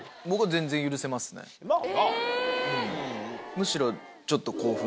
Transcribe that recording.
むしろちょっと。